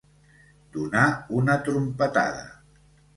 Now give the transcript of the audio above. Donar una trompetada.